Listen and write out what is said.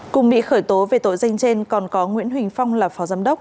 cùng bị khởi tố về tội danh trên còn có nguyễn huỳnh phong là phó giám đốc